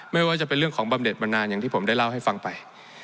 ไม่ว่าจะเป็นเรื่องของบำเด็ดบำนานอย่างที่ผมได้เล่าให้ฟังไป